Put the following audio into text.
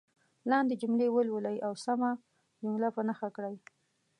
لاندې جملې ولولئ او سمه جمله په نښه کړئ.